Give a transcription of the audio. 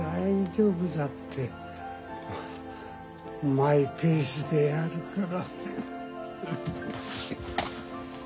マイペースでやるから。